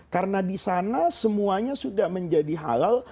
karena disana semuanya sudah menjadi halal